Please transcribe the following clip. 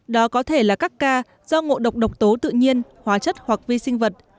đó có thể là các ca do ngộ độc độc tố tự nhiên hóa chất hoặc vi sinh vật